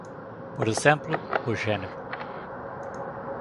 Por exemplo, o xénero.